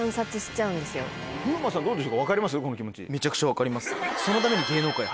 めちゃくちゃ分かります。